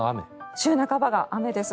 週半ばが雨です。